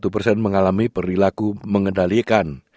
sembilan puluh satu persen mengalami perilaku mengendalikan